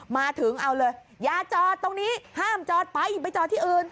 มาถึงเอาเลยอย่าจอดตรงนี้ห้ามจอดไปไปจอดที่อื่น